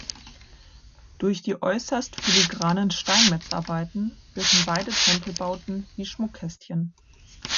Durch die äußerst filigranen Steinmetzarbeiten wirken beide Tempelbauten wie Schmuckkästchen.